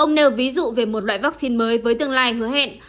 ông nêu ví dụ về một loại vaccine mới với tương lai hứa hẹn